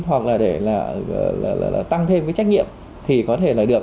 hoặc là để là tăng thêm cái trách nhiệm thì có thể là được